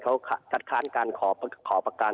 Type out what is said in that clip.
เขาคัดค้านการขอประกัน